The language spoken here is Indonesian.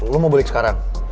lo mau balik sekarang